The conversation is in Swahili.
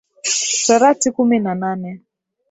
torati kumi na nane